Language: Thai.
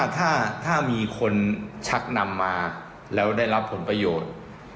ถ้ามีคนชักนำมาแล้วได้รับผลประโยชน์